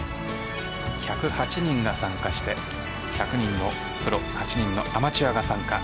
１０８人が参加して１００人のプロ８人のアマチュアが参加。